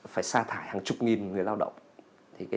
phải xa thải hàng chục nghìn người lao động